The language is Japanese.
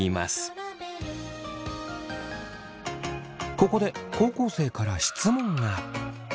ここで高校生から質問が。